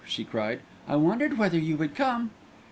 she cried, "I wondered whether you would come."